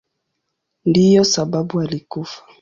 Ndiyo sababu alikufa.